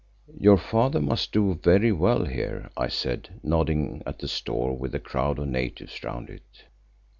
"Your father must do very well here," I said, nodding at the store with the crowd of natives round it.